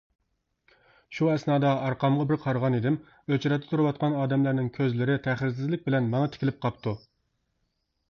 شۇ ئەسنادا ئارقامغا بىر قارىغان ئىدىم، ئۆچرەتتە تۇرۇۋاتقان ئادەملەرنىڭ كۆزلىرى تەخىرسىزلىك بىلەن ماڭا تىكىلىپ قاپتۇ.